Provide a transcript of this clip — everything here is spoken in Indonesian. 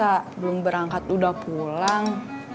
ya belum berangkat udah pulang